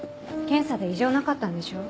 検査で異常なかったんでしょ？